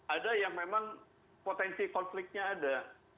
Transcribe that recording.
ada yang memang potensi konfliknya ada